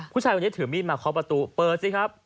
ผู้ชายคนนี้ถือมีดมาเคาะประตูเปิดสิครับ